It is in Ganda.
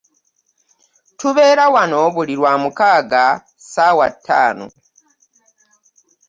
Tubeerawo wano buli lwamukaaga ssaawa ttaano.